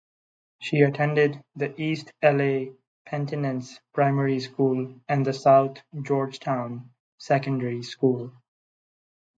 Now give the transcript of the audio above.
She attended the East La Penitence Primary School and the South Georgetown Secondary School.